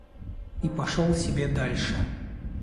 И пошёл себе дальше.